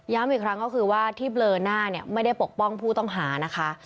อีกครั้งก็คือว่าที่เบลอหน้าเนี่ยไม่ได้ปกป้องผู้ต้องหานะคะ